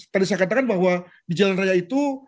tadi saya katakan bahwa di jalan raya itu